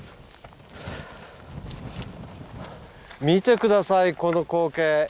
見て下さいこの光景。